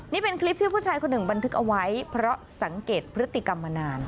นี่เป็นคลิปที่ผู้ชายคนหนึ่งบันทึกเอาไว้เพราะสังเกตพฤติกรรมมานาน